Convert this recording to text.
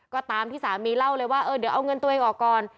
ก็ตามที่สามีเล่าเลยว่าเออเดี๋ยวเอาเงินตัวเองออกก่อน